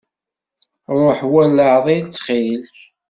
Ruḥ war leɛḍil, ttxil.